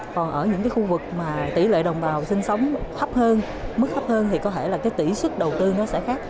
còn ở những khu vực mà tỷ lệ đồng bào sinh sống hấp hơn mức hấp hơn thì có thể là tỷ suất đầu tư nó sẽ khác